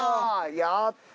やった！